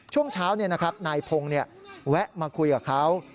ช่วงเช้านี่นะครับนายพงนี่แวะมาคุยกับเขา